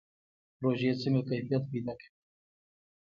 پروژې څنګه کیفیت پیدا کوي؟